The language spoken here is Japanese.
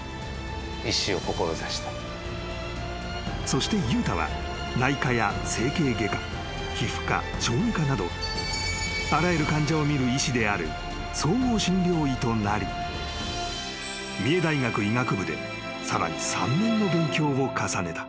［そして悠太は内科や整形外科皮膚科小児科などあらゆる患者を診る医師である総合診療医となり三重大学医学部でさらに３年の勉強を重ねた］